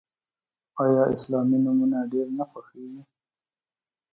آیا اسلامي نومونه ډیر نه خوښیږي؟